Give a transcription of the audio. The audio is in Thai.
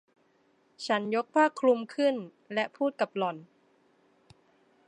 ฉันยกผ้าคลุมขึ้นและพูดกับหล่อน